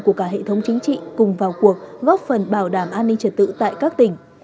của cả hệ thống chính trị cùng vào cuộc góp phần bảo đảm an ninh trật tự tại các tỉnh